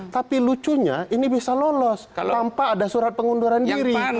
tapi lucunya ini bisa lolos tanpa ada surat pengunduran diri